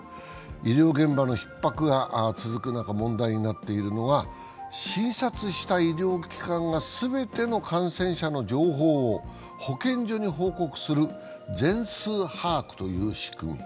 医療現場のひっ迫が続く中、問題になっているのが、診察した医療機関が全ての感染者の情報を保健所に報告する全数把握という仕組み。